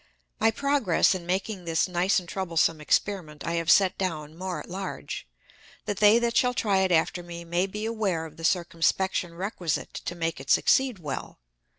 My Progress in making this nice and troublesome Experiment I have set down more at large, that they that shall try it after me may be aware of the Circumspection requisite to make it succeed well.